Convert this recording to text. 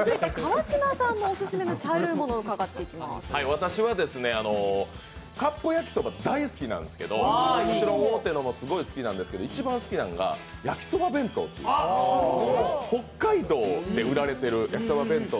私はカップ焼きそば大好きなんですけど、もちろん大手のもすごい好きなんですけど、一番好きなんがやきそば弁当っていう、北海道で売られているやきそば弁当。